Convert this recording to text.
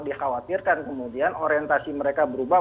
dikhawatirkan kemudian orientasi mereka berubah